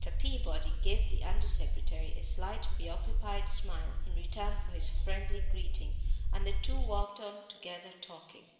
Peabody gave the under secretary a slight preoccupied smile in return for his friendly greeting, and the two walked on together talking.